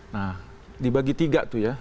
nah dibagi tiga tuh ya